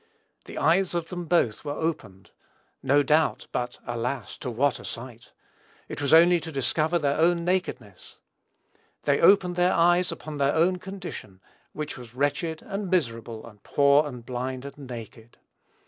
"The eyes of them both were opened," no doubt; but alas! to what a sight! It was only to discover their own nakedness. They opened their eyes upon their own condition, which was "wretched, and miserable, and poor, and blind, and naked."